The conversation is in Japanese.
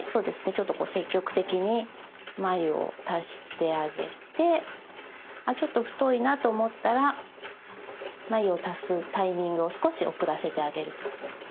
ちょっとこう積極的に繭を足してあげてあちょっと太いなと思ったら繭を足すタイミングを少し遅らせてあげる。